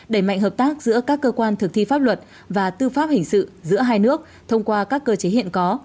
đẩy mạnh hợp tác giữa các cơ quan thực thi pháp luật và tư pháp hình sự giữa hai nước thông qua các cơ chế hiện có